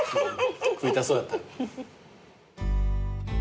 食いたそうだった。